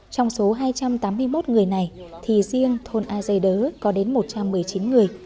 trong số hai trăm tám mươi một người này thì riêng thôn a dây đớ có đến một trăm một mươi chín người